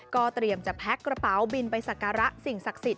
ก็เตรียมจะแพ็คกระเป๋าบินไปสักการะสิ่งศักดิ์สิทธ